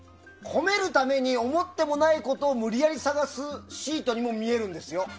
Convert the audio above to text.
褒めるために思ってもないことを無理やり探すシートにも見えるんです。